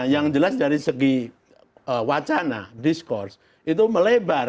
yang jelas dari segi wacana diskurs itu melebar